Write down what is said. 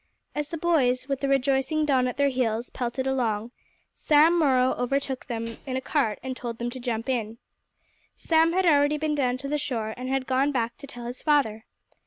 As the boys, with the rejoicing Don at their heels, pelted along, Sam Morrow overtook them in a cart and told them to jump in. Sam had already been down to the shore and had gone back to tell his father.